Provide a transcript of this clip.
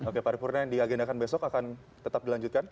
oke pak rufurnia yang di agendakan besok akan tetap dilanjutkan